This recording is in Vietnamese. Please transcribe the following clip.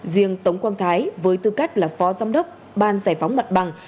riêng tống quang thái với tư cách là phó giám đốc ban giải phóng mặt bằng